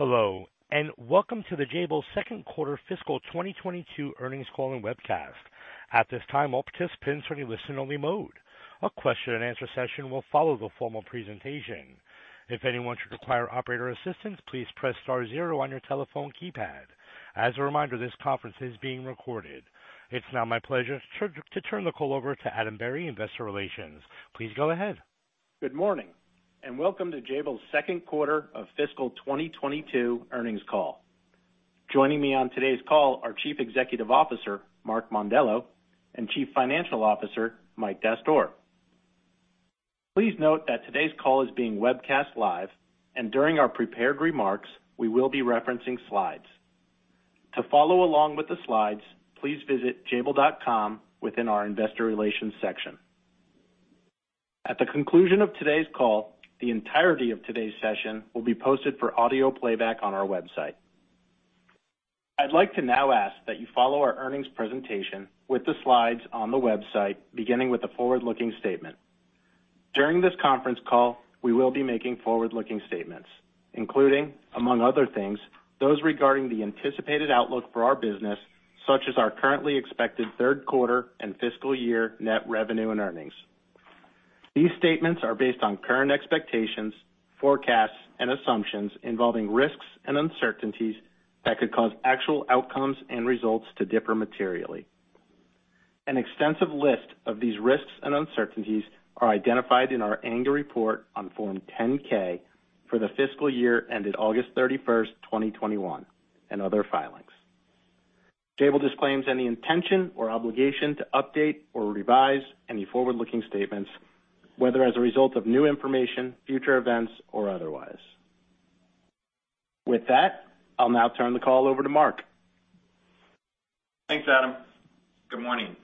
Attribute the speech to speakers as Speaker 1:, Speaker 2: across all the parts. Speaker 1: Hello, and welcome to the Jabil second quarter fiscal 2022 earnings call and webcast. At this time, all participants are in listen only mode. A question-and-answer session will follow the formal presentation. If anyone should require operator assistance, please press star zero on your telephone keypad. As a reminder, this conference is being recorded. It's now my pleasure to turn the call over to Adam Berry, Investor Relations. Please go ahead.
Speaker 2: Good morning, and welcome to Jabil's second quarter of fiscal 2022 earnings call. Joining me on today's call are Chief Executive Officer, Mark Mondello, and Chief Financial Officer, Mike Dastoor. Please note that today's call is being webcast live, and during our prepared remarks, we will be referencing slides. To follow along with the slides, please visit jabil.com within our investor relations section. At the conclusion of today's call, the entirety of today's session will be posted for audio playback on our website. I'd like to now ask that you follow our earnings presentation with the slides on the website beginning with the forward-looking statement. During this conference call, we will be making forward-looking statements, including, among other things, those regarding the anticipated outlook for our business, such as our currently expected third quarter and fiscal year net revenue and earnings. These statements are based on current expectations, forecasts, and assumptions involving risks and uncertainties that could cause actual outcomes and results to differ materially. An extensive list of these risks and uncertainties are identified in our annual report on Form 10-K for the fiscal year ended August 31st, 2021, and other filings. Jabil disclaims any intention or obligation to update or revise any forward-looking statements, whether as a result of new information, future events, or otherwise. With that, I'll now turn the call over to Mark.
Speaker 3: Thanks, Adam. Good morning.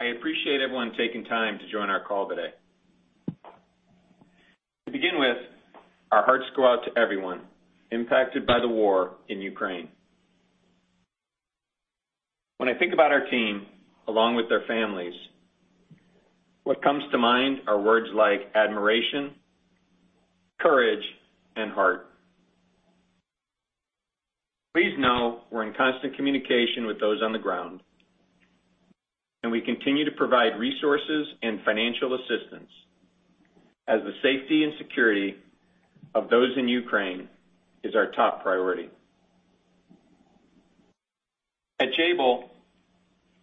Speaker 3: I appreciate everyone taking time to join our call today. To begin with, our hearts go out to everyone impacted by the war in Ukraine. When I think about our team, along with their families, what comes to mind are words like admiration, courage, and heart. Please know we're in constant communication with those on the ground, and we continue to provide resources and financial assistance as the safety and security of those in Ukraine is our top priority. At Jabil,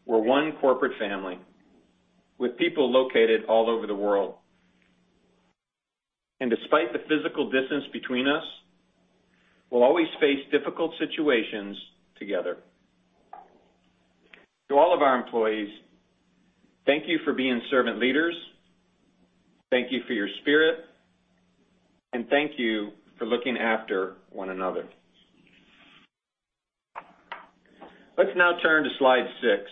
Speaker 3: we're one corporate family with people located all over the world. Despite the physical distance between us, we'll always face difficult situations together. To all of our employees, thank you for being servant leaders, thank you for your spirit, and thank you for looking after one another. Let's now turn to slide six,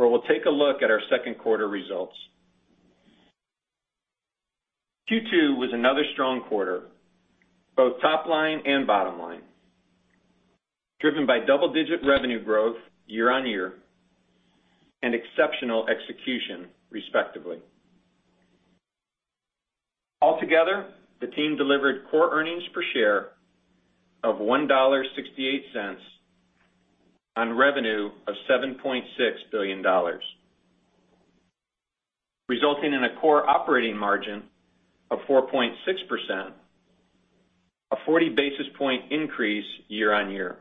Speaker 3: where we'll take a look at our second quarter results. Q2 was another strong quarter, both top line and bottom line, driven by double-digit revenue growth year-on-year and exceptional execution, respectively. Altogether, the team delivered core earnings per share of $1.68 on revenue of $7.6 billion, resulting in a core operating margin of 4.6%, a 40-basis point increase year-on-year.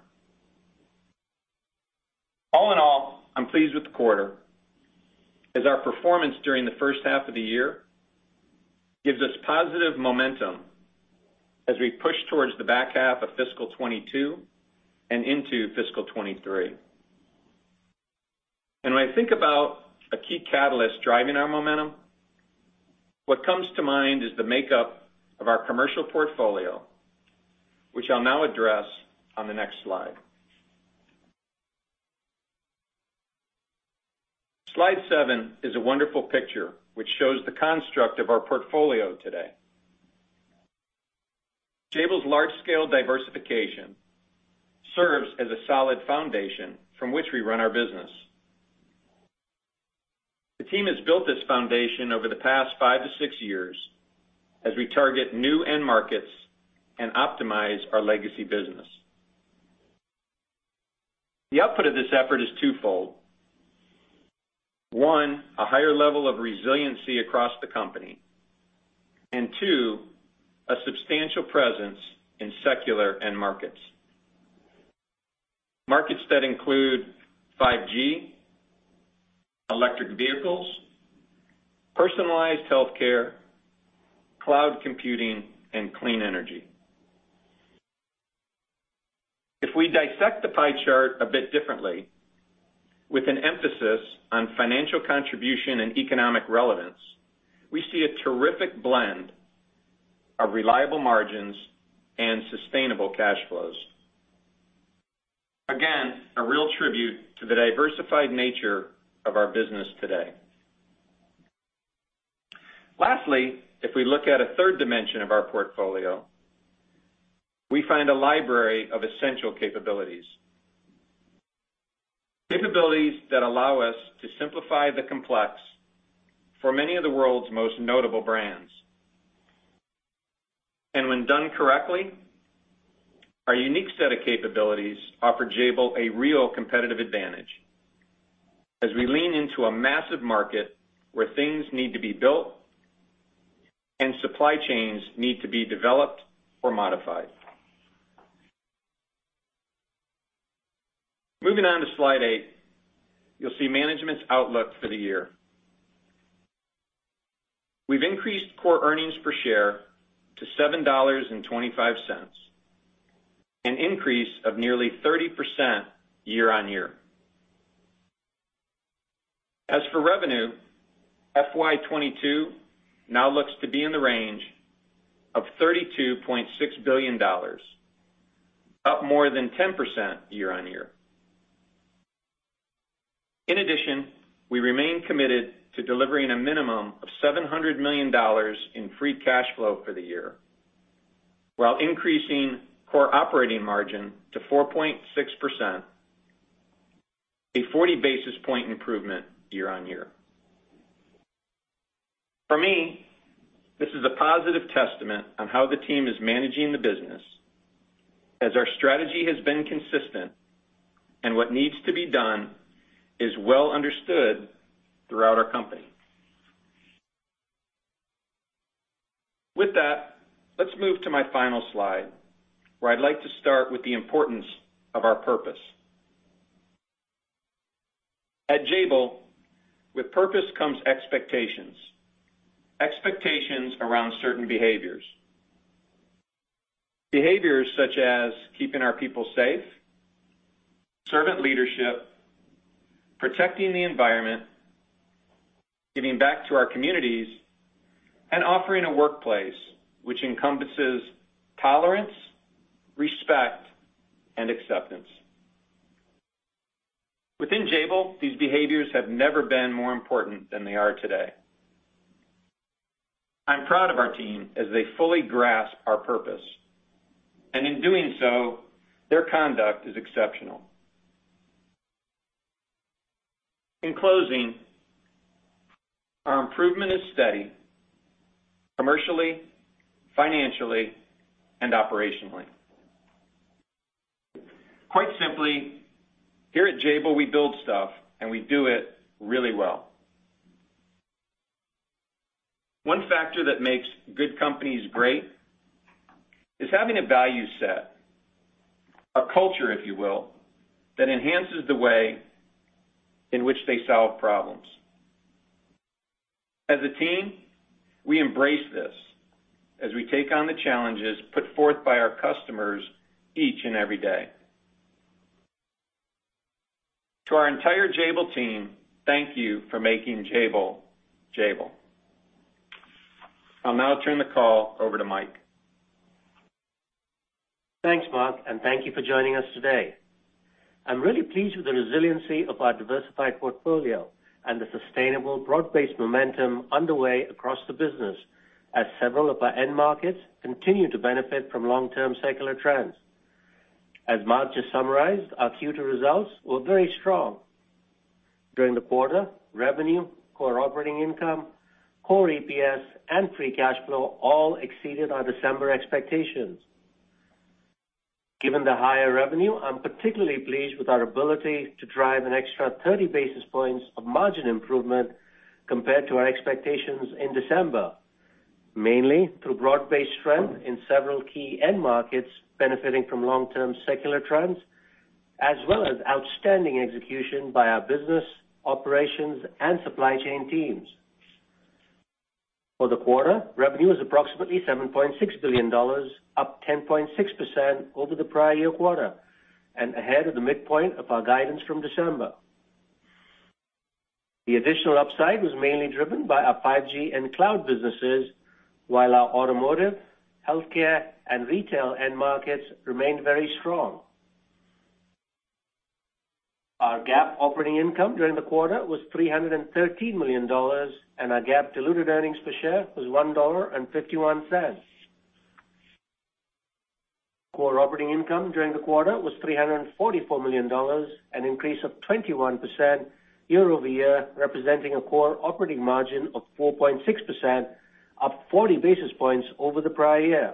Speaker 3: All in all, I'm pleased with the quarter as our performance during the first half of the year gives us positive momentum as we push towards the back half of fiscal 2022 and into fiscal 2023. When I think about a key catalyst driving our momentum, what comes to mind is the makeup of our commercial portfolio, which I'll now address on the next slide. Slide seven is a wonderful picture which shows the construct of our portfolio today. Jabil's large-scale diversification serves as a solid foundation from which we run our business. The team has built this foundation over the past five-six years as we target new end markets and optimize our legacy business. The output of this effort is twofold. 1, a higher level of resiliency across the company, and two a substantial presence in secular end markets. Markets that include 5G, electric vehicles, personalized healthcare, cloud computing, and clean energy. If we dissect the pie chart a bit differently with an emphasis on financial contribution and economic relevance, we see a terrific blend of reliable margins and sustainable cash flows. Again, a real tribute to the diversified nature of our business today. Lastly, if we look at a third dimension of our portfolio, we find a library of essential capabilities. Capabilities that allow us to simplify the complex for many of the world's most notable brands. When done correctly, our unique set of capabilities offer Jabil a real competitive advantage as we lean into a massive market where things need to be built, and supply chains need to be developed or modified. Moving on to slide eight, you'll see management's outlook for the year. We've increased core earnings per share to $7.25, an increase of nearly 30% year-over-year. As for revenue, FY 2022 now looks to be in the range of $32.6 billion, up more than 10% year-over-year. In addition, we remain committed to delivering a minimum of $700 million in free cash flow for the year while increasing core operating margin to 4.6%, a 40-basis point improvement year-over-year. For me, this is a positive testament on how the team is managing the business as our strategy has been consistent and what needs to be done is well understood throughout our company. With that, let's move to my final slide, where I'd like to start with the importance of our purpose. At Jabil, with purpose comes expectations. Expectations around certain behaviors. Behaviors such as keeping our people safe, servant leadership, protecting the environment, giving back to our communities, and offering a workplace which encompasses tolerance, respect, and acceptance. Within Jabil, these behaviors have never been more important than they are today. I'm proud of our team as they fully grasp our purpose, and in doing so, their conduct is exceptional. In closing, our improvement is steady commercially, financially, and operationally. Quite simply, here at Jabil, we build stuff, and we do it really well. One factor that makes good companies great is having a value set, a culture, if you will, that enhances the way in which they solve problems. As a team, we embrace this as we take on the challenges put forth by our customers each and every day. To our entire Jabil team, thank you for making Jabil Jabil. I'll now turn the call over to Mike.
Speaker 4: Thanks, Mark, and thank you for joining us today. I'm really pleased with the resiliency of our diversified portfolio and the sustainable broad-based momentum underway across the business as several of our end markets continue to benefit from long-term secular trends. As Mark just summarized, our Q2 results were very strong. During the quarter, revenue, Core operating income, Core EPS, and free cash flow all exceeded our December expectations. Given the higher revenue, I'm particularly pleased with our ability to drive an extra 30 basis points of margin improvement compared to our expectations in December, mainly through broad-based strength in several key end markets benefiting from long-term secular trends as well as outstanding execution by our business, operations, and supply chain teams. For the quarter, revenue was approximately $7.6 billion, up 10.6% over the prior year quarter and ahead of the midpoint of our guidance from December. The additional upside was mainly driven by our 5G and cloud businesses, while our automotive, healthcare, and retail end markets remained very strong. Our GAAP operating income during the quarter was $313 million, and our GAAP diluted earnings per share was $1.51. Core operating income during the quarter was $344 million, an increase of 21% year-over-year, representing a core operating margin of 4.6%, up 40 basis points over the prior year.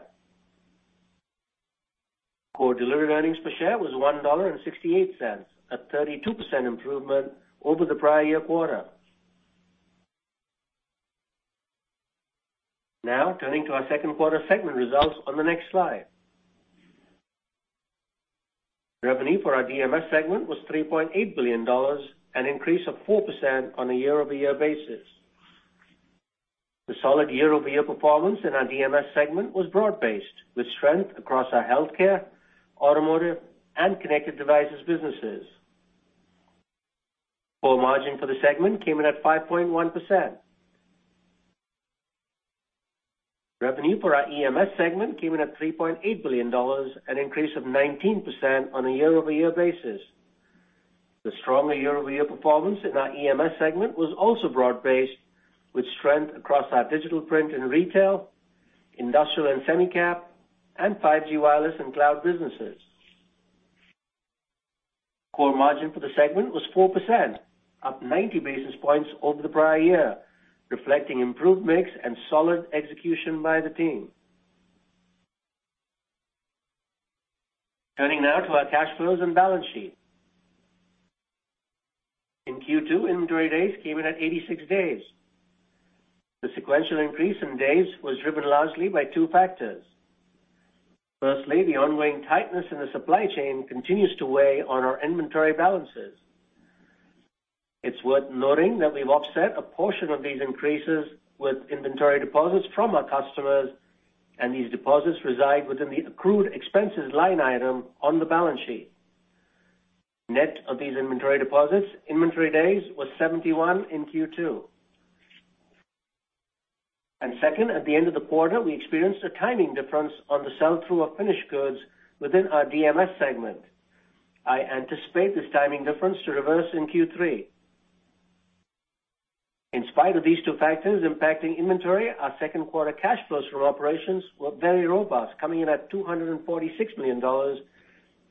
Speaker 4: Core delivered earnings per share was $1.68, a 32% improvement over the prior year quarter. Now, turning to our second quarter segment results on the next slide. Revenue for our DMS segment was $3.8 billion, an increase of 4% on a year-over-year basis. The solid year-over-year performance in our DMS segment was broad-based, with strength across our healthcare, automotive, and connected devices businesses. Core margin for the segment came in at 5.1%. Revenue for our EMS segment came in at $3.8 billion, an increase of 19% on a year-over-year basis. The stronger year-over-year performance in our EMS segment was also broad-based, with strength across our digital print and retail-industrial and semi-cap, and 5G wireless and cloud businesses. Core margin for the segment was 4%, up 90 basis points over the prior year, reflecting improved mix and solid execution by the team. Turning now to our cash flows and balance sheet. In Q2, inventory days came in at 86 days. The sequential increase in days was driven largely by two factors. Firstly, the ongoing tightness in the supply chain continues to weigh on our inventory balances. It's worth noting that we've offset a portion of these increases with inventory deposits from our customers, and these deposits reside within the accrued expenses line item on the balance sheet. Net of these inventory deposits, inventory days was 71 in Q2. Second, at the end of the quarter, we experienced a timing difference on the sell-through of finished goods within our DMS segment. I anticipate this timing difference to reverse in Q3. In spite of these two factors impacting inventory, our second quarter cash flows from operations were very robust, coming in at $246 million,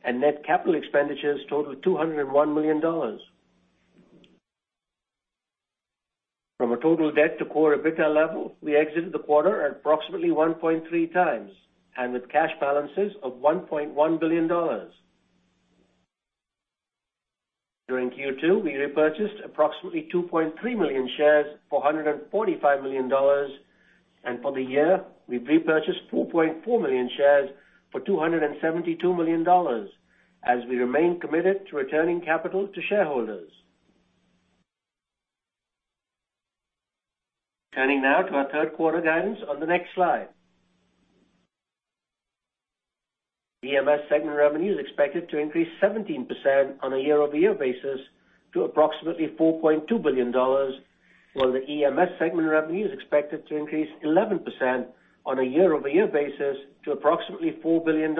Speaker 4: and net capital expenditures totaled $201 million. From a total debt to Core EBITDA level, we exited the quarter at approximately 1.3x and with cash balances of $1.1 billion. During Q2, we repurchased approximately 2.3 million shares for $145 million, and for the year, we've repurchased 4.4 million shares for $272 million as we remain committed to returning capital to shareholders. Turning now to our third quarter guidance on the next slide. EMS segment revenue is expected to increase 17% on a year-over-year basis to approximately $4.2 billion, while the DMS segment revenue is expected to increase 11% on a year-over-year basis to approximately $4 billion.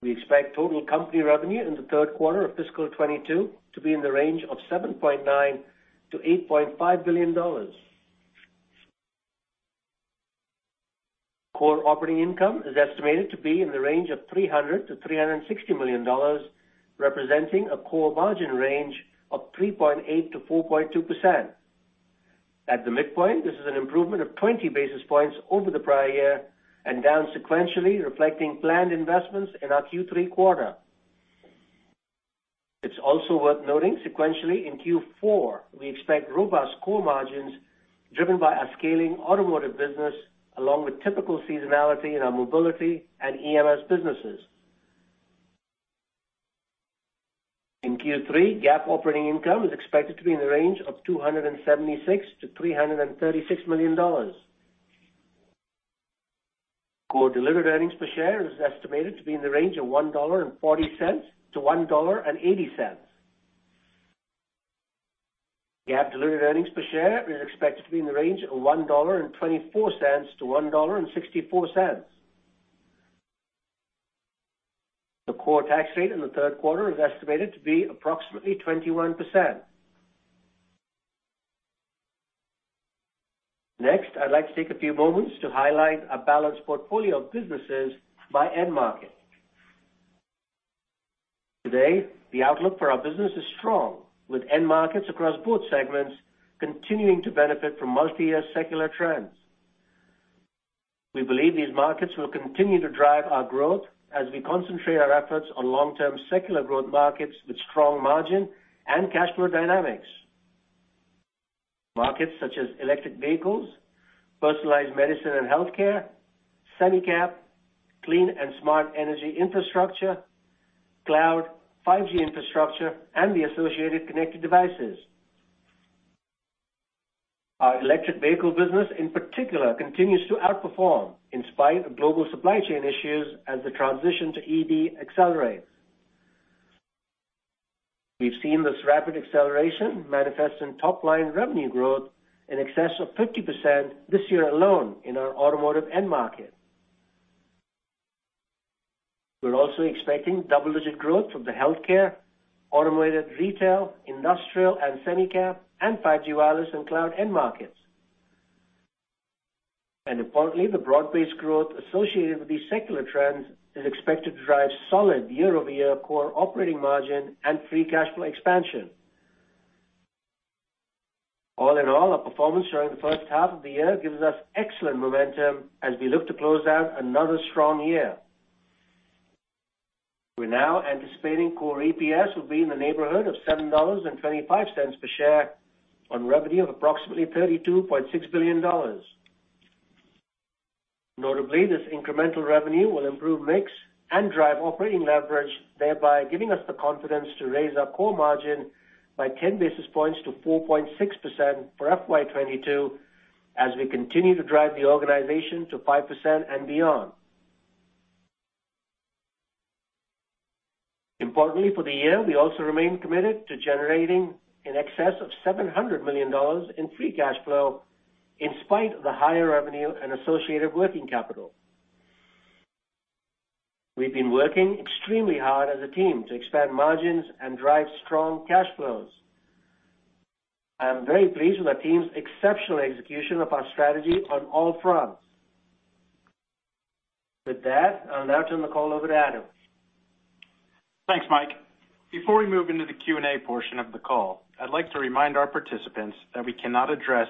Speaker 4: We expect total company revenue in the third quarter of fiscal 2022 to be in the range of $7.9 billion-$8.5 billion. Core operating income is estimated to be in the range of $300 million-$360 million, representing a core margin range of 3.8%-4.2%. At the midpoint, this is an improvement of 20 basis points over the prior year and down sequentially reflecting planned investments in our Q3 quarter. It's also worth noting sequentially in Q4, we expect robust core margins driven by our scaling automotive business along with typical seasonality in our mobility and EMS businesses. In Q3, GAAP operating income is expected to be in the range of $276 million-$336 million. Core delivered earnings per share is estimated to be in the range of $1.40-$1.80. GAAP diluted earnings per share is expected to be in the range of $1.24-$1.64. The core tax rate in the third quarter is estimated to be approximately 21%. Next, I'd like to take a few moments to highlight our balanced portfolio of businesses by end market. Today, the outlook for our business is strong, with end markets across both segments continuing to benefit from multi-year secular trends. We believe these markets will continue to drive our growth as we concentrate our efforts on long-term secular growth markets with strong margin and cash flow dynamics. Markets such as electric vehicles, personalized medicine and healthcare, semi-cap, clean and smart energy infrastructure, cloud, 5G infrastructure, and the associated connected devices. Our electric vehicle business, in particular, continues to outperform in spite of global supply chain issues as the transition to EV accelerates. We've seen this rapid acceleration manifest in top-line revenue growth in excess of 50% this year alone in our automotive end market. We're also expecting double-digit growth from the healthcare, automated retail, industrial and semi-cap, and 5G wireless and cloud end markets. Importantly, the broad-based growth associated with these secular trends is expected to drive solid year-over-year core operating margin and free cash flow expansion. All in all, our performance during the first half of the year gives us excellent momentum as we look to close out another strong year. We're now anticipating Core EPS will be in the neighborhood of $7.25 per share on revenue of approximately $32.6 billion. Notably, this incremental revenue will improve mix and drive operating leverage, thereby giving us the confidence to raise our core margin by 10 basis points to 4.6% for FY 2022 as we continue to drive the organization to 5% and beyond. Importantly for the year, we also remain committed to generating in excess of $700 million in free cash flow in spite of the higher revenue and associated working capital. We've been working extremely hard as a team to expand margins and drive strong cash flows. I am very pleased with our team's exceptional execution of our strategy on all fronts. With that, I'll now turn the call over to Adam.
Speaker 2: Thanks, Mike. Before we move into the Q&A portion of the call, I'd like to remind our participants that we cannot address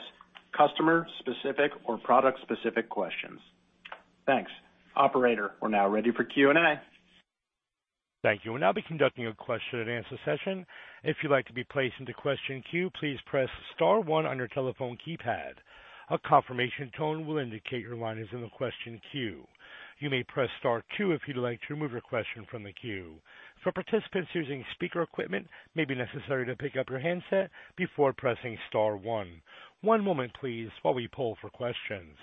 Speaker 2: customer-specific or product-specific questions. Thanks. Operator, we're now ready for Q&A.
Speaker 1: Thank you. We'll now be conducting a question-and-answer session. If you'd like to be placed into question queue, please press star one on your telephone keypad. A confirmation tone will indicate your line is in the question queue. You may press star two if you'd like to remove your question from the queue. For participants using speaker equipment, it may be necessary to pick up your handset before pressing star one. One moment please while we poll for questions.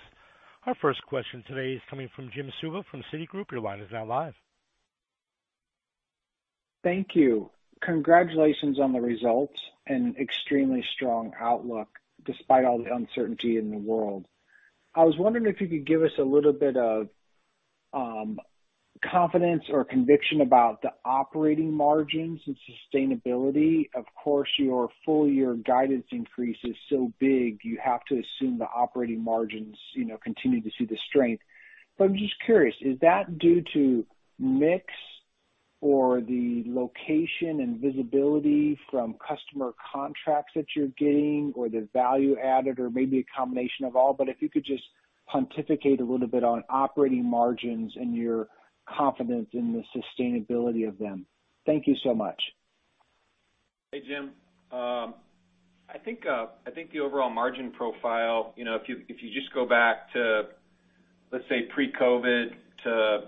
Speaker 1: Our first question today is coming from Jim Suva from Citigroup. Your line is now live.
Speaker 5: Thank you. Congratulations on the results and extremely strong outlook despite all the uncertainty in the world. I was wondering if you could give us a little bit of confidence or conviction about the operating margins and sustainability. Of course, your full year guidance increase is so big, you have to assume the operating margins, you know, continue to see the strength. I'm just curious, is that due to mix or the location and visibility from customer contracts that you're getting or the value added or maybe a combination of all, but if you could just pontificate a little bit on operating margins and your confidence in the sustainability of them. Thank you so much.
Speaker 3: Hey, Jim. I think the overall margin profile, you know, if you just go back to, let's say, pre-COVID to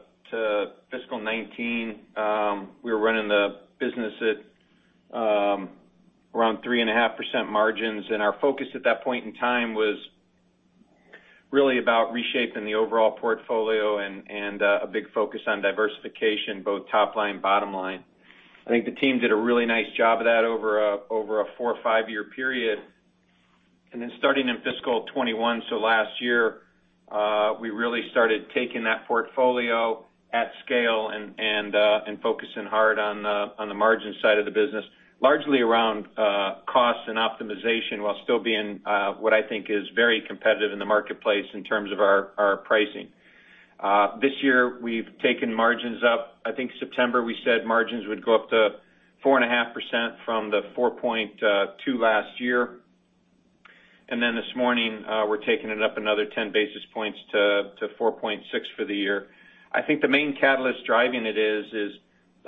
Speaker 3: fiscal 2019, we were running the business at around 3.5% margins. Our focus at that point in time was really about reshaping the overall portfolio and a big focus on diversification, both top line, bottom line. I think the team did a really nice job of that over a four- or five-year period. Starting in fiscal 2021, so last year, we really started taking that portfolio at scale and focusing hard on the margin side of the business, largely around cost and optimization while still being what I think is very competitive in the marketplace in terms of our pricing. This year we've taken margins up. I think September, we said margins would go up to 4.5% from the 4.2% last year. This morning, we're taking it up another 10 basis points to 4.6% for the year. I think the main catalyst driving it is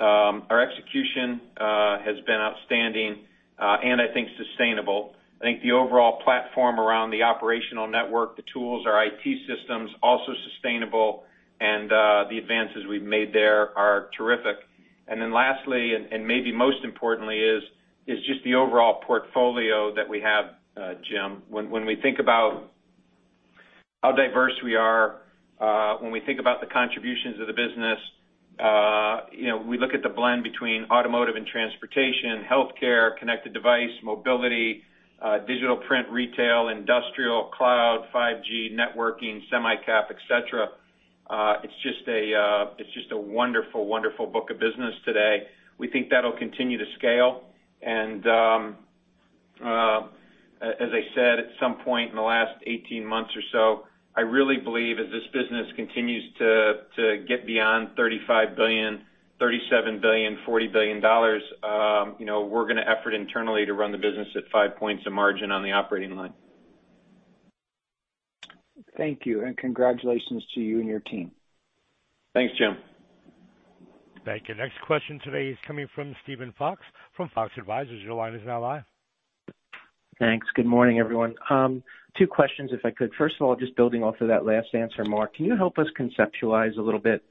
Speaker 3: our execution has been outstanding, and I think sustainable. I think the overall platform around the operational network, the tools, our IT systems, also sustainable. The advances we've made there are terrific. Lastly, and maybe most importantly, is just the overall portfolio that we have, Jim. When we think about how diverse we are, when we think about the contributions of the business, you know, we look at the blend between automotive and transportation, healthcare, connected devices, mobility, digital print, retail, industrial, cloud, 5G, networking, semi-cap, et cetera. It's just a wonderful book of business today. We think that'll continue to scale. As I said, at some point in the last 18 months or so, I really believe as this business continues to get beyond $35 billion, $37 billion, $40 billion, you know, we're gonna effort internally to run the business at 5% margin on the operating line.
Speaker 5: Thank you, and congratulations to you and your team.
Speaker 3: Thanks, Jim.
Speaker 1: Thank you. Next question today is coming from Steven Fox from Fox Advisors. Your line is now live.
Speaker 6: Thanks. Good morning, everyone. Two questions if I could. First of all, just building off of that last answer, Mark, can you help us conceptualize a little bit,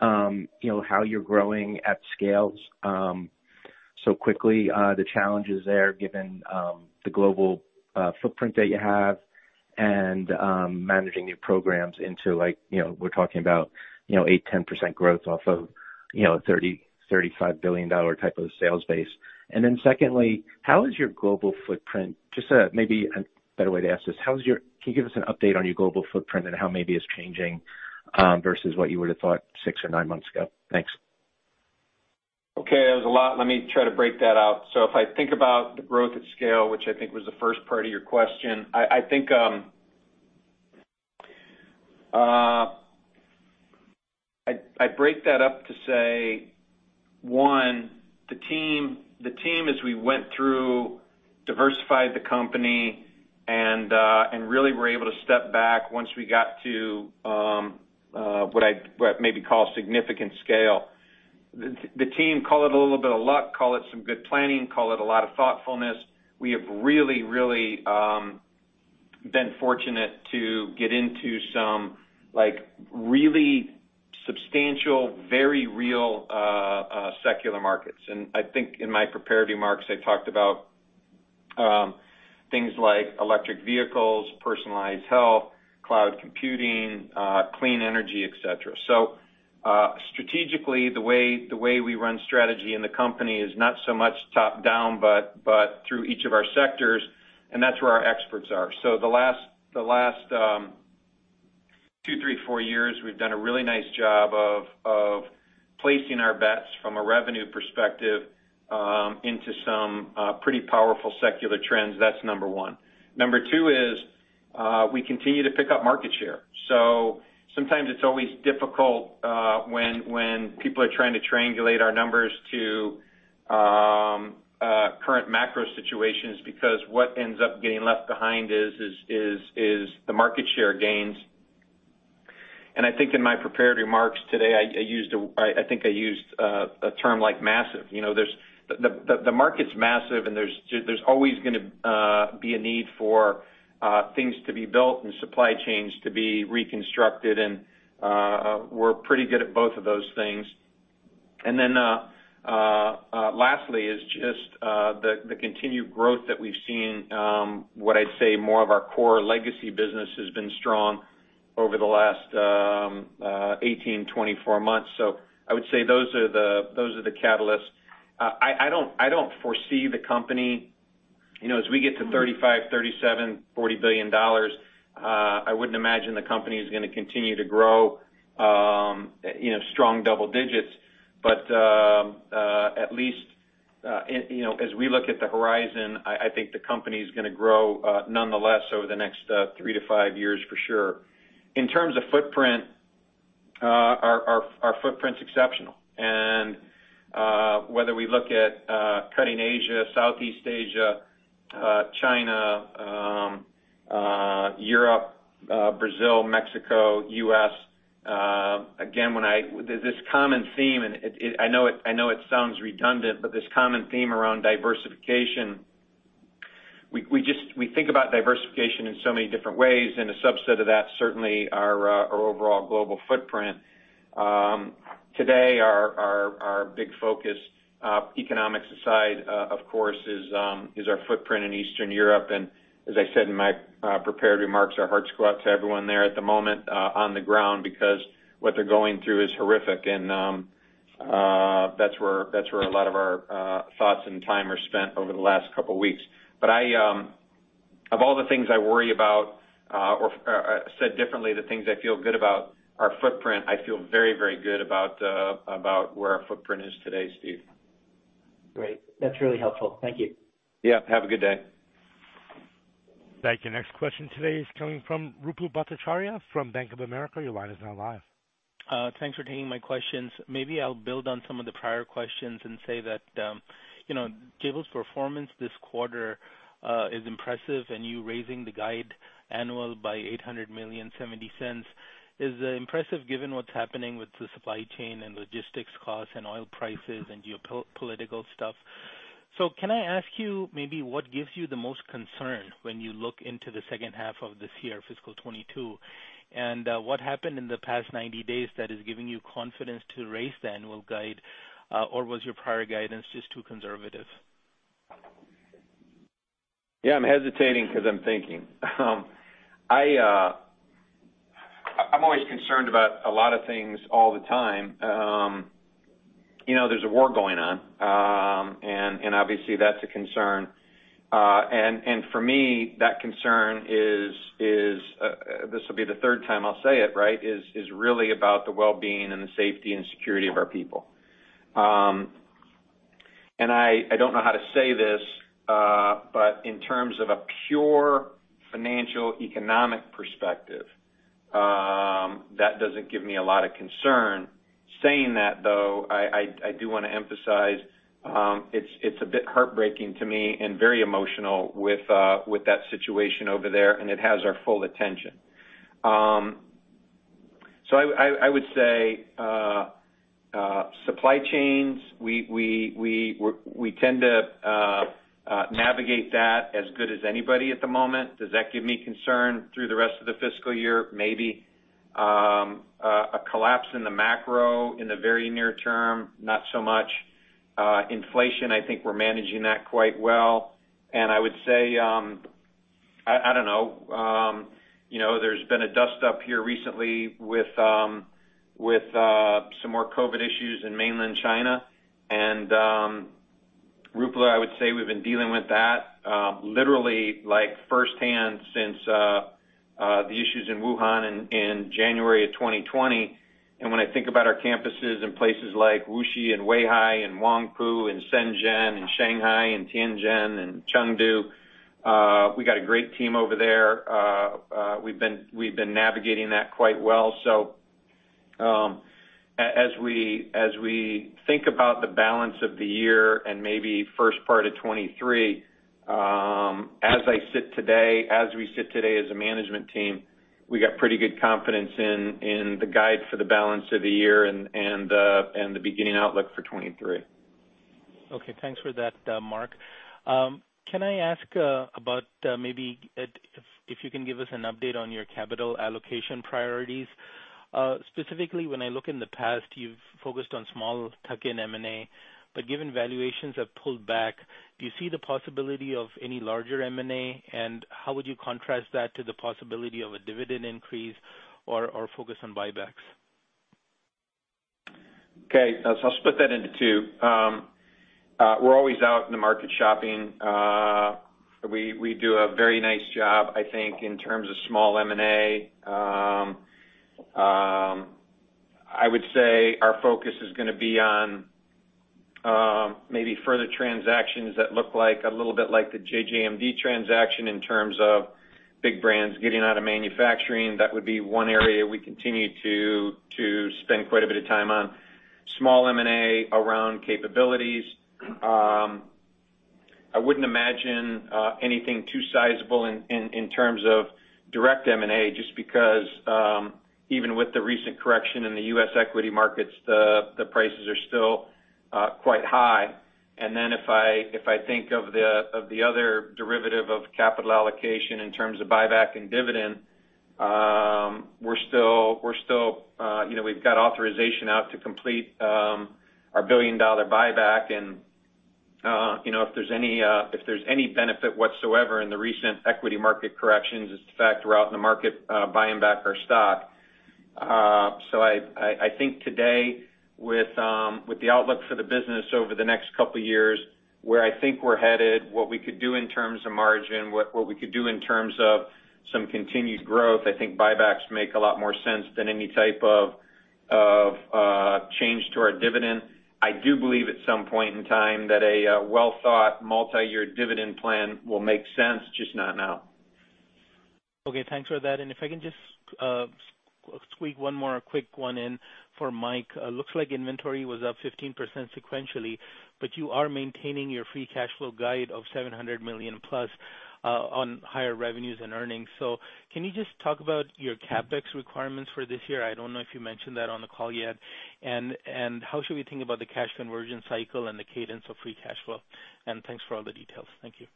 Speaker 6: you know, how you're growing at scales so quickly, the challenges there, given the global footprint that you have and managing new programs into like, you know, we're talking about, you know, 8%-10% growth off of, you know, $30-$35 billion type of sales base. Then secondly, just maybe a better way to ask this. Can you give us an update on your global footprint and how maybe it's changing versus what you would have thought six or nine months ago? Thanks.
Speaker 3: Okay, that was a lot. Let me try to break that out. If I think about the growth at scale, which I think was the first part of your question, I break that up to say, one, the team as we went through diversified the company and really were able to step back once we got to what I'd maybe call significant scale. The team call it a little bit of luck, call it some good planning, call it a lot of thoughtfulness. We have really been fortunate to get into some, like, really substantial, very real secular markets. I think in my prepared remarks, I talked about things like electric vehicles, personalized health, cloud computing, clean energy, et cetera. Strategically, the way we run strategy in the company is not so much top-down, but through each of our sectors. That's where our experts are. The last two, three, four years, we've done a really nice job of placing our bets from a revenue perspective into some pretty powerful secular trends. That's number one. Number two is, we continue to pick up market share. Sometimes it's always difficult when people are trying to triangulate our numbers to current macro situations, because what ends up getting left behind is the market share gains. I think in my prepared remarks today, I think I used a term like massive. You know, the market's massive, and there's always gonna be a need for things to be built and supply chains to be reconstructed and we're pretty good at both of those things. Then lastly is just the continued growth that we've seen what I'd say more of our core legacy business has been strong over the last 18, 24 months. I would say those are the catalysts. I don't foresee the company. You know, as we get to $35 billion, $37 billion, $40 billion, I wouldn't imagine the company is gonna continue to grow, you know, strong double digits. At least, and you know, as we look at the horizon, I think the company's gonna grow nonetheless over the next three-five years for sure. In terms of footprint, our footprint's exceptional. Whether we look at North Asia, Southeast Asia, China, Europe, Brazil, Mexico, U.S., again, this common theme, I know it sounds redundant, but this common theme around diversification, we think about diversification in so many different ways, and a subset of that, certainly our overall global footprint. Today, our big focus, economics aside, of course, is our footprint in Eastern Europe. As I said in my prepared remarks, our hearts go out to everyone there at the moment on the ground because what they're going through is horrific. That's where a lot of our thoughts and time are spent over the last couple weeks. I of all the things I worry about or said differently, the things I feel good about our footprint, I feel very, very good about where our footprint is today, Steve.
Speaker 6: Great. That's really helpful. Thank you.
Speaker 3: Yeah. Have a good day.
Speaker 1: Thank you. Next question today is coming from Ruplu Bhattacharya from Bank of America. Your line is now live.
Speaker 7: Thanks for taking my questions. Maybe I'll build on some of the prior questions and say that, you know, Jabil's performance this quarter is impressive, and you raising the annual guide by $800 million $0.70 is impressive given what's happening with the supply chain and logistics costs and oil prices and geopolitical stuff. Can I ask you maybe what gives you the most concern when you look into the second half of this year, fiscal 2022? What happened in the past 90 days that is giving you confidence to raise the annual guide, or was your prior guidance just too conservative?
Speaker 3: Yeah, I'm hesitating because I'm thinking. I'm always concerned about a lot of things all the time. You know, there's a war going on, and obviously that's a concern. For me, that concern is, this will be the third time I'll say it, right, really about the well-being and the safety and security of our people. I don't know how to say this, but in terms of a pure financial economic perspective, that doesn't give me a lot of concern. Saying that, though, I do wanna emphasize, it's a bit heartbreaking to me and very emotional with that situation over there, and it has our full attention. I would say supply chains we tend to navigate that as good as anybody at the moment. Does that give me concern through the rest of the fiscal year? Maybe. A collapse in the macro in the very near term, not so much. Inflation, I think we're managing that quite well. I would say, I don't know, you know, there's been a dust up here recently with some more COVID issues in mainland China. Ruplu, I would say we've been dealing with that literally, like, firsthand since the issues in Wuhan in January of 2020. When I think about our campuses in places like Wuxi and Weihai and Huangpu and Shenzhen and Shanghai and Tianjin and Chengdu, we got a great team over there. We've been navigating that quite well. As we think about the balance of the year and maybe first part of 2023, as we sit today as a management team, we got pretty good confidence in the guide for the balance of the year and the beginning outlook for 2023.
Speaker 7: Okay, thanks for that, Mark. Can I ask about maybe if you can give us an update on your capital allocation priorities? Specifically, when I look in the past, you've focused on small tuck-in M&A, but given valuations have pulled back, do you see the possibility of any larger M&A? How would you contrast that to the possibility of a dividend increase or focus on buybacks?
Speaker 3: I'll split that into two. We're always out in the market shopping. We do a very nice job, I think, in terms of small M&A. I would say our focus is gonna be on maybe further transactions that look like a little bit like the JJMD transaction in terms of big brands getting out of manufacturing. That would be one area we continue to spend quite a bit of time on, small M&A around capabilities. I wouldn't imagine anything too sizable in terms of direct M&A just because even with the recent correction in the U.S. equity markets, the prices are still quite high. If I think of the other derivative of capital allocation in terms of buyback and dividend, we're still, you know, we've got authorization out to complete our $1 billion buyback and, you know, if there's any benefit whatsoever in the recent equity market corrections, it's the fact we're out in the market buying back our stock. I think today with the outlook for the business over the next couple of years, where I think we're headed, what we could do in terms of margin, what we could do in terms of some continued growth, I think buybacks make a lot more sense than any type of change to our dividend. I do believe at some point in time that a well-thought multi-year dividend plan will make sense, just not now.
Speaker 7: Okay, thanks for that. If I can just squeeze one more quick one in for Mike. Looks like inventory was up 15% sequentially, but you are maintaining your free cash flow guide of $700 million+ on higher revenues and earnings. Can you just talk about your CapEx requirements for this year? I don't know if you mentioned that on the call yet. How should we think about the cash conversion cycle and the cadence of free cash flow? Thanks for all the details. Thank you.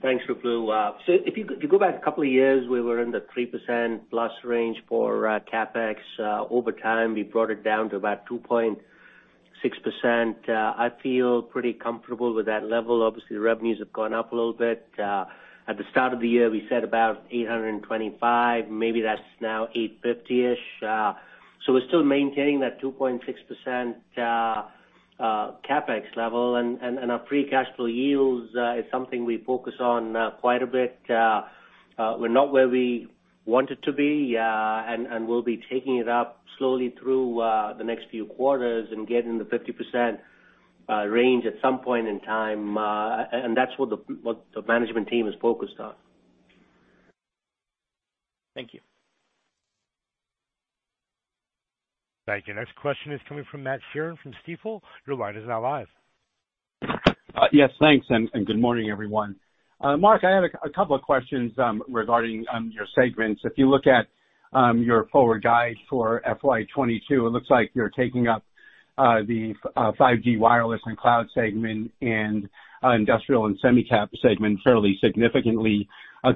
Speaker 4: Thanks, Ruplu. So if you go back a couple of years, we were in the 3%+ range for CapEx. Over time, we brought it down to about 2.6%. I feel pretty comfortable with that level. Obviously, the revenues have gone up a little bit. At the start of the year, we said about $825, maybe that's now $850-ish. So we're still maintaining that 2.6% CapEx level. Our free cash flow yields is something we focus on quite a bit. We're not where we want it to be, and we'll be taking it up slowly through the next few quarters and get in the 50% range at some point in time. That's what the management team is focused on.
Speaker 7: Thank you.
Speaker 1: Thank you. Next question is coming from Matthew Sheerin from Stifel. Your line is now live.
Speaker 8: Yes, thanks and good morning, everyone. Mark, I have a couple of questions regarding your segments. If you look at your forward guide for FY 2022, it looks like you're taking up the 5G wireless and cloud segment and industrial and semi-cap segment fairly significantly.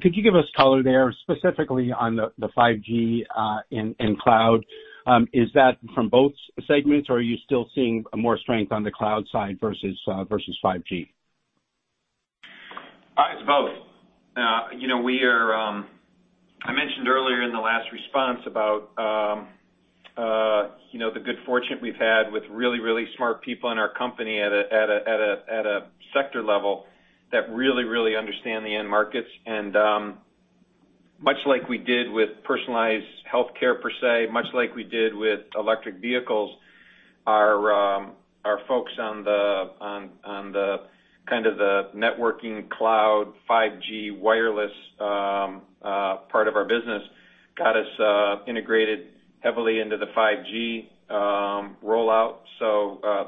Speaker 8: Could you give us color there, specifically on the 5G and cloud? Is that from both segments, or are you still seeing more strength on the cloud side versus 5G?
Speaker 3: It's both. You know, I mentioned earlier in the last response about you know, the good fortune we've had with really smart people in our company at a sector level that really understand the end markets. Much like we did with personalized healthcare per se, much like we did with electric vehicles, our folks on the kind of the networking cloud 5G wireless part of our business got us integrated heavily into the 5G rollout.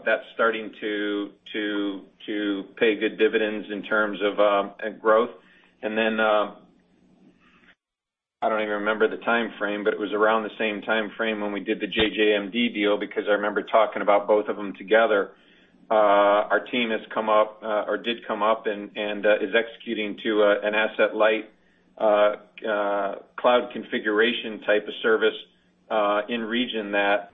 Speaker 3: That's starting to pay good dividends in terms of growth. Then, I don't even remember the timeframe, but it was around the same timeframe when we did the JJMD deal because I remember talking about both of them together. Our team has come up and is executing to an asset-light cloud configuration type of service in region that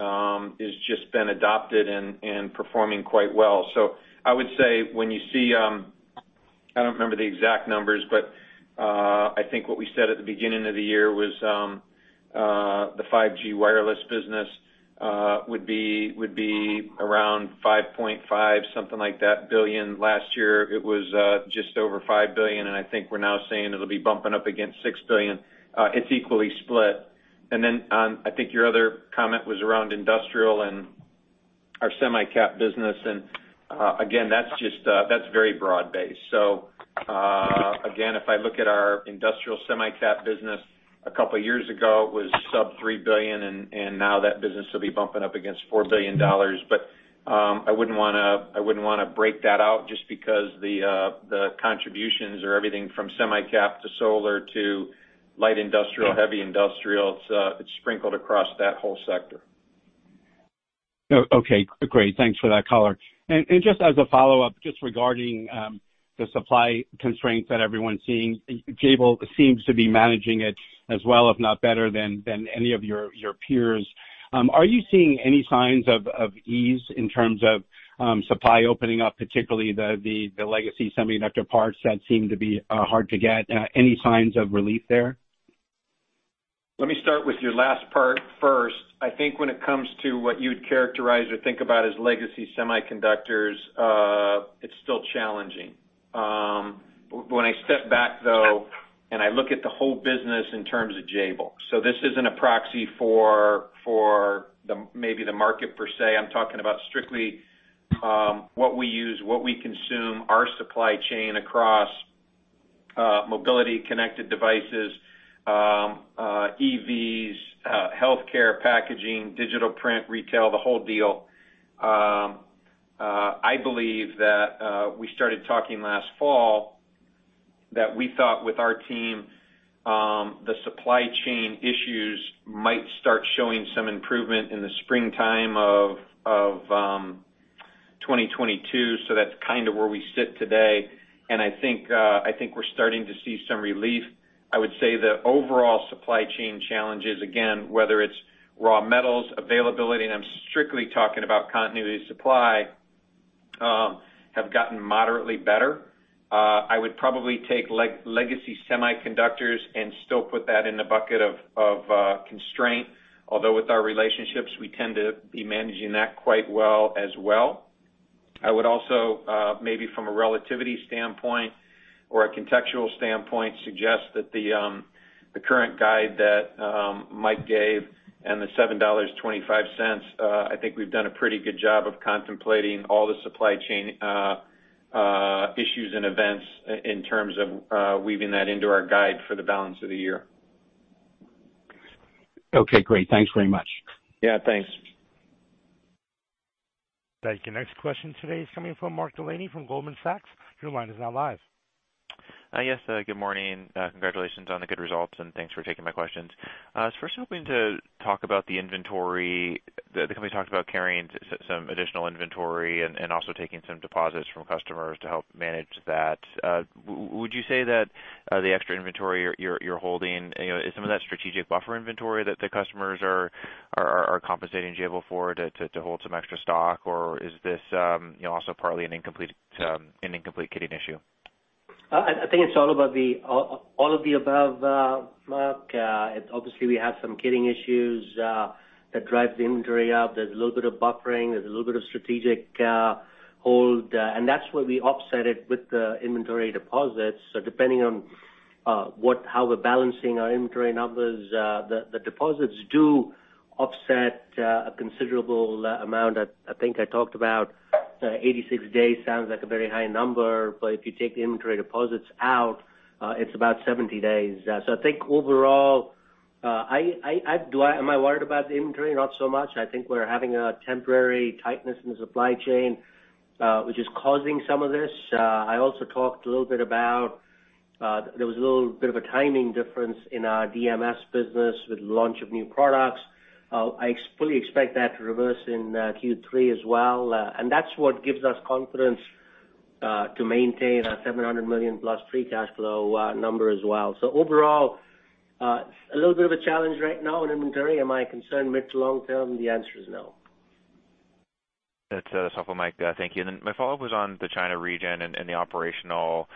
Speaker 3: has just been adopted and performing quite well. I would say when you see, I don't remember the exact numbers, but I think what we said at the beginning of the year was the 5G wireless business would be around $5.5 billion, something like that. Last year, it was just over $5 billion, and I think we're now saying it'll be bumping up against $6 billion. It's equally split. I think your other comment was around industrial and our semi-cap business. Again, that's just very broad-based. If I look at our industrial semi-cap business a couple of years ago, it was sub $3 billion, and now that business will be bumping up against $4 billion. I wouldn't wanna break that out just because the contributions are everything from semi-cap to solar to light industrial, heavy industrial. It's sprinkled across that whole sector.
Speaker 8: Oh, okay. Great. Thanks for that color. Just as a follow-up, just regarding the supply constraints that everyone's seeing, Jabil seems to be managing it as well, if not better than any of your peers. Are you seeing any signs of ease in terms of supply opening up, particularly the legacy semiconductor parts that seem to be hard to get? Any signs of relief there?
Speaker 3: Let me start with your last part first. I think when it comes to what you'd characterize or think about as legacy semiconductors, it's still challenging. When I step back, though, and I look at the whole business in terms of Jabil. This isn't a proxy for maybe the market per se. I'm talking about strictly, what we use, what we consume, our supply chain across, mobility, connected devices, EVs, healthcare, packaging, digital print, retail, the whole deal. I believe that, we started talking last fall that we thought with our team, the supply chain issues might start showing some improvement in the springtime of 2022, so that's kind of where we sit today. I think we're starting to see some relief. I would say the overall supply chain challenges, again, whether it's raw metals availability, and I'm strictly talking about continuity of supply, have gotten moderately better. I would probably take legacy semiconductors and still put that in the bucket of constraint. Although with our relationships, we tend to be managing that quite well as well. I would also maybe from a relativity standpoint or a contextual standpoint, suggest that the current guide that Mike gave and the $7.25, I think we've done a pretty good job of contemplating all the supply chain issues and events in terms of weaving that into our guide for the balance of the year.
Speaker 8: Okay, great. Thanks very much.
Speaker 3: Yeah, thanks.
Speaker 1: Thank you. Next question today is coming from Mark Delaney from Goldman Sachs. Your line is now live.
Speaker 9: Yes, good morning. Congratulations on the good results, and thanks for taking my questions. I was first hoping to talk about the inventory. The company talked about carrying some additional inventory and also taking some deposits from customers to help manage that. Would you say that the extra inventory you're holding, you know, is some of that strategic buffer inventory that the customers are compensating Jabil for to hold some extra stock, or is this, you know, also partly an incomplete kitting issue?
Speaker 4: I think it's all about all of the above, Mark. Obviously, we have some kitting issues that drive the inventory up. There's a little bit of buffering. There's a little bit of strategic hold. And that's where we offset it with the inventory deposits. Depending on how we're balancing our inventory numbers, the deposits do offset a considerable amount. I think I talked about 86 days, sounds like a very high number, but if you take the inventory deposits out, it's about 70 days. I think overall, am I worried about the inventory? Not so much. I think we're having a temporary tightness in the supply chain, which is causing some of this. I also talked a little bit about; there was a little bit of a timing difference in our DMS business with launch of new products. I fully expect that to reverse in Q3 as well. That's what gives us confidence to maintain our $700 million-plus free cash flow number as well. Overall, a little bit of a challenge right now in inventory. Am I concerned mid to long term? The answer is no.
Speaker 9: That's helpful, Mike. Thank you. Then my follow-up was on the China region and the operational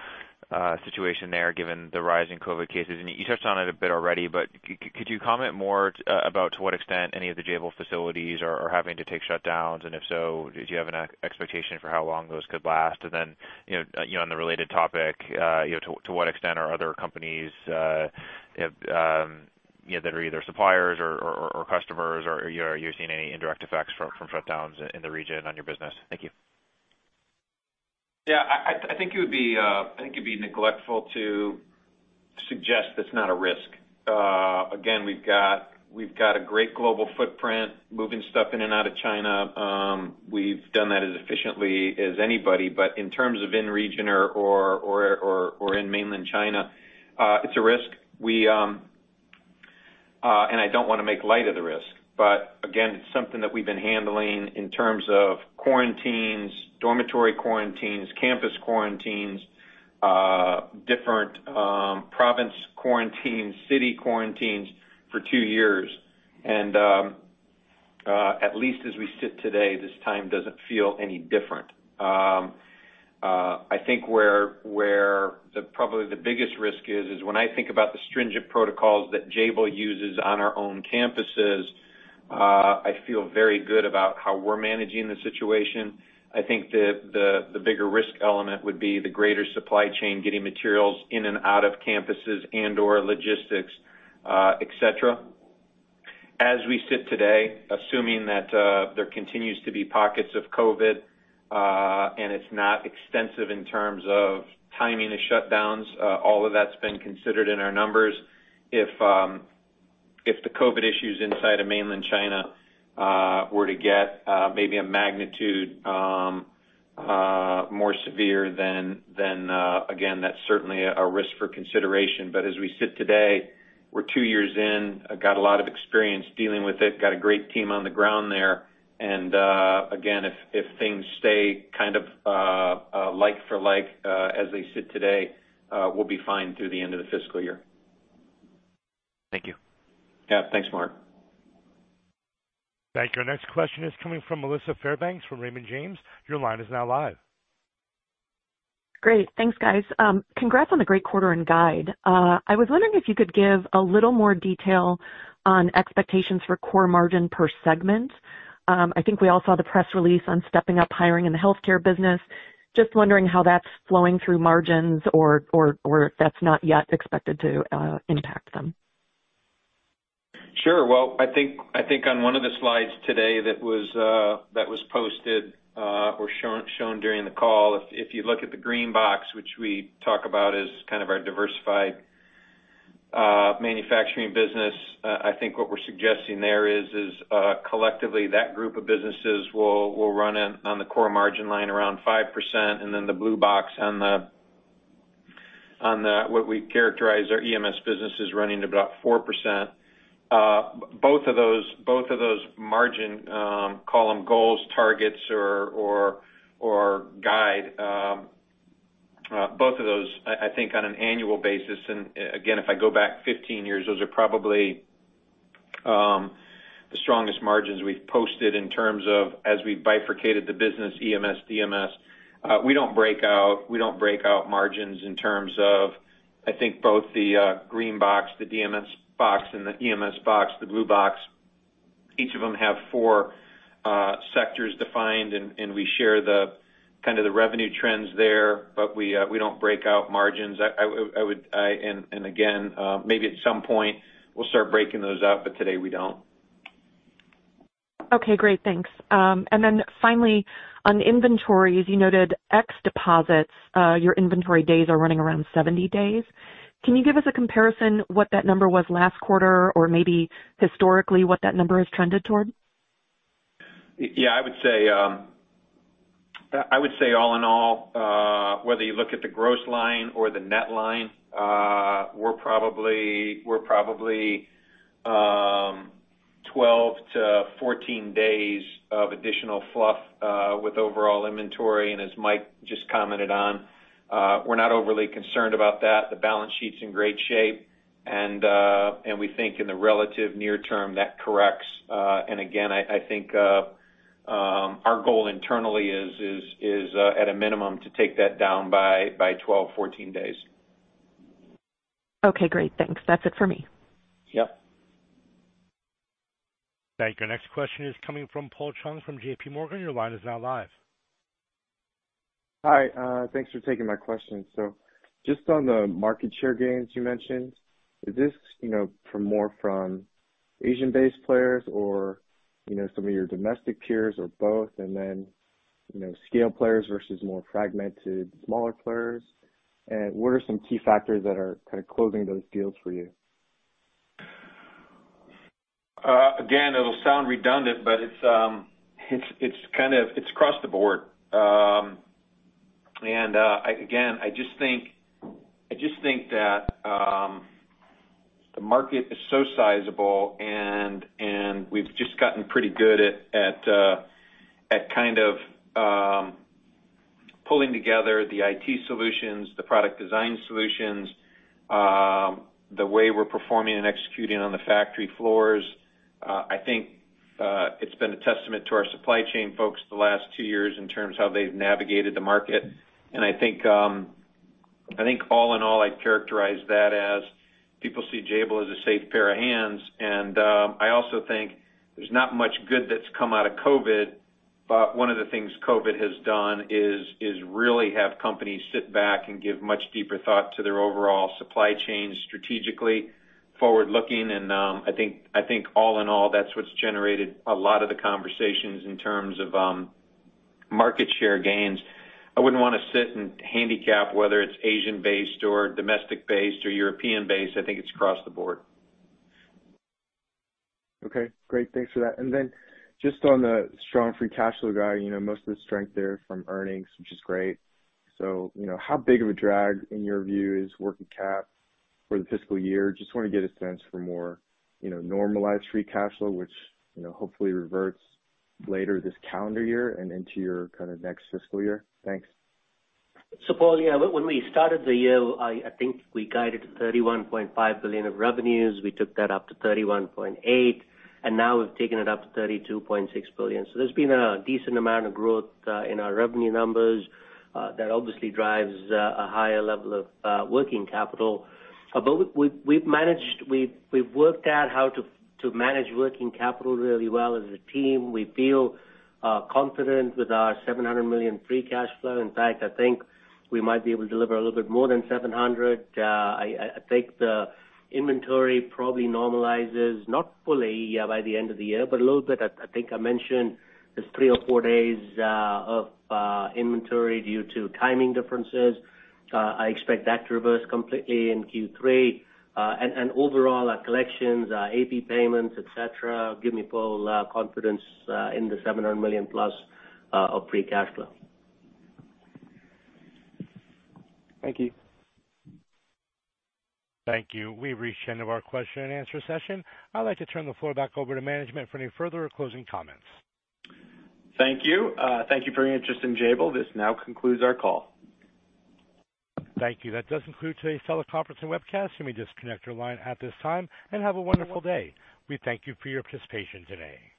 Speaker 9: situation there, given the rise in COVID cases. You touched on it a bit already, but could you comment more about to what extent any of the Jabil facilities are having to take shutdowns? If so, do you have an expectation for how long those could last? Then, you know, on the related topic, you know, to what extent are other companies that are either suppliers or customers, are you seeing any indirect effects from shutdowns in the region on your business? Thank you.
Speaker 3: Yeah. I think it'd be neglectful to suggest that's not a risk. Again, we've got a great global footprint moving stuff in and out of China. We've done that as efficiently as anybody. But in terms of in region or in mainland China, it's a risk. I don't wanna make light of the risk, but again, it's something that we've been handling in terms of quarantines, dormitory quarantines, campus quarantines, different province quarantines, city quarantines for two years. At least as we sit today, this time doesn't feel any different. I think the biggest risk is when I think about the stringent protocols that Jabil uses on our own campuses. I feel very good about how we're managing the situation. I think the bigger risk element would be the greater supply chain getting materials in and out of campuses and/or logistics, et cetera. As we sit today, assuming that there continues to be pockets of COVID, and it's not extensive in terms of timing of shutdowns, all of that's been considered in our numbers. If the COVID issues inside of mainland China were to get maybe a magnitude more severe than again, that's certainly a risk for consideration. As we sit today, we're two years in. I've got a lot of experience dealing with it, got a great team on the ground there. Again, if things stay kind of like for like, as they sit today, we'll be fine through the end of the fiscal year.
Speaker 9: Thank you.
Speaker 3: Yeah. Thanks, Mark.
Speaker 1: Thank you. Our next question is coming from Melissa Fairbanks from Raymond James. Your line is now live.
Speaker 10: Great. Thanks, guys. Congrats on the great quarter and guide. I was wondering if you could give a little more detail on expectations for core margin per segment. I think we all saw the press release on stepping up hiring in the healthcare business. Just wondering how that's flowing through margins or if that's not yet expected to impact them.
Speaker 3: Sure. Well, I think on one of the slides today that was posted or shown during the call, if you look at the green box, which we talk about as kind of our diversified manufacturing business, I think what we're suggesting there is collectively that group of businesses will run on the core margin line around 5%, and then the blue box, what we characterize our EMS business, is running about 4%. Both of those margin call them goals, targets or guide, both of those I think on an annual basis, and again, if I go back 15 years, those are probably the strongest margins we've posted in terms of as we bifurcated the business EMS, DMS. We don't break out margins in terms of, I think, both the green box, the DMS box, and the EMS box, the blue box. Each of them have four sectors defined and we share the kind of the revenue trends there, but we don't break out margins. I would and again, maybe at some point we'll start breaking those out, but today we don't.
Speaker 10: Okay, great. Thanks. And then finally, on inventory, as you noted, ex deposits, your inventory days are running around 70 days. Can you give us a comparison what that number was last quarter or maybe historically what that number has trended toward?
Speaker 3: Yeah. I would say all in all, whether you look at the gross line or the net line, we're probably 12-14 days of additional fluff with overall inventory. As Mike just commented on, we're not overly concerned about that. The balance sheet's in great shape, and we think in the relative near term that corrects. Again, I think our goal internally is at a minimum to take that down by 12-14 days.
Speaker 10: Okay, great. Thanks. That's it for me.
Speaker 3: Yep.
Speaker 1: Thank you. Our next question is coming from Paul Chung from JPMorgan. Your line is now live.
Speaker 11: Hi, thanks for taking my question. Just on the market share gains you mentioned, is this, you know, from more Asian-based players or, you know, some of your domestic peers or both? Then, you know, scale players versus more fragmented smaller players? What are some key factors that are kind of closing those deals for you?
Speaker 3: Again, it'll sound redundant, but it's kind of across the board. Again, I just think that the market is so sizable and we've just gotten pretty good at kind of pulling together the IT solutions, the product design solutions, the way we're performing and executing on the factory floors. I think it's been a testament to our supply chain folks the last two years in terms of how they've navigated the market. I think all in all, I'd characterize that as people see Jabil as a safe pair of hands. I also think there's not much good that's come out of COVID, but one of the things COVID has done is really have companies sit back and give much deeper thought to their overall supply chain strategically forward looking. I think all in all, that's what's generated a lot of the conversations in terms of market share gains. I wouldn't wanna sit and handicap whether it's Asian-based or domestic based or European based. I think it's across the board.
Speaker 11: Okay, great. Thanks for that. Just on the strong free cash flow guide, you know, most of the strength there from earnings, which is great. You know, how big of a drag in your view is working cap for the fiscal year? Just want to get a sense for more, you know, normalized free cash flow, which, you know, hopefully reverts later this calendar year and into your kind of next fiscal year. Thanks.
Speaker 4: Paul, yeah, when we started the year, I think we guided $31.5 billion of revenues. We took that up to $31.8 billion, and now we've taken it up to $32.6 billion. There's been a decent amount of growth in our revenue numbers that obviously drives a higher level of working capital. But we've managed. We've worked out how to manage working capital really well as a team. We feel confident with our $700 million free cash flow. In fact, I think we might be able to deliver a little bit more than $700 million. I think the inventory probably normalizes, not fully, by the end of the year, but a little bit. I think I mentioned there's three or four days of inventory due to timing differences. I expect that to reverse completely in Q3. Overall, our collections, our AP payments, et cetera, give me full confidence in the $700 million plus of free cash flow.
Speaker 11: Thank you.
Speaker 1: Thank you. We've reached the end of our question-and-answer session. I'd like to turn the floor back over to management for any further closing comments.
Speaker 3: Thank you. Thank you for your interest in Jabil. This now concludes our call.
Speaker 1: Thank you. That does conclude today's teleconference and webcast. You may disconnect your line at this time and have a wonderful day. We thank you for your participation today.